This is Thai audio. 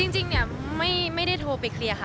จริงเนี่ยไม่ได้โทรไปเคลียร์ค่ะ